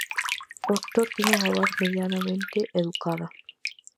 O actor tiña unha voz medianamente educada.